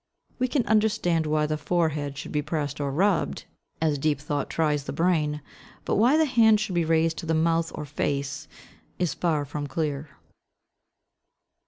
We can understand why the forehead should be pressed or rubbed, as deep thought tries the brain; but why the hand should be raised to the mouth or face is far from clear.